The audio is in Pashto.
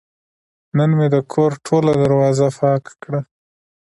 نن مې د کور ټوله دروازه پاکه کړه.